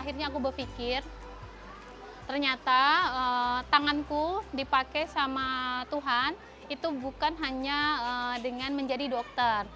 akhirnya aku berpikir ternyata tanganku dipakai sama tuhan itu bukan hanya dengan menjadi dokter